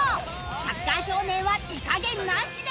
サッカー少年は手加減なしです